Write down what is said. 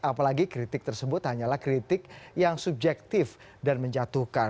apalagi kritik tersebut hanyalah kritik yang subjektif dan menjatuhkan